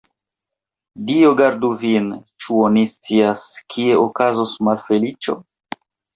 Dio gardu vin, ĉu oni scias, kie okazos malfeliĉo?